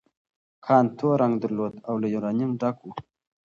کان تور رنګ درلود او له یورانیم ډک و.